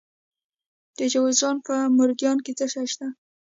د جوزجان په مردیان کې څه شی شته؟